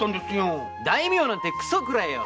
大名なんてくそくらえよ！